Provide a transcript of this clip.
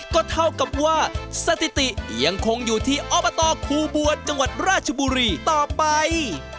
ก็เท่ากับว่าสถิติยังคงอยู่ที่อบตคูบัวจังหวัดราชบุรีต่อไป